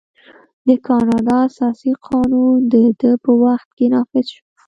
د کاناډا اساسي قانون د ده په وخت کې نافذ شو.